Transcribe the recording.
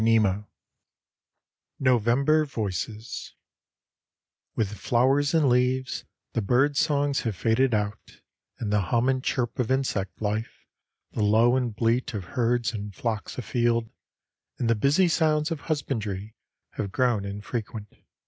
XLII NOVEMBER VOICES With flowers and leaves, the bird songs have faded out, and the hum and chirp of insect life, the low and bleat of herds and flocks afield, and the busy sounds of husbandry have grown infrequent.